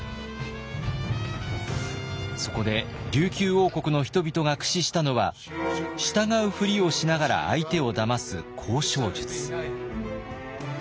そこで琉球王国の人々が駆使したのは従うふりをしながら相手をだます交渉術。